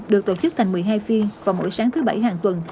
được tổ chức thành một mươi hai phiên vào mỗi sáng thứ bảy hàng tuần